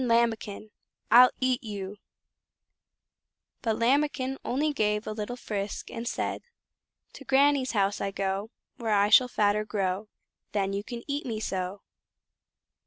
Lambikin! I'll EAT YOU!" But Lambikin only gave a little frisk and said: "To Granny's house I go, Where I shall fatter grow, Then you can eat me so."